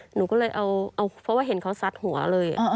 หนูก็เลยเอาเพราะว่าเห็นเขาซัดหัวเลย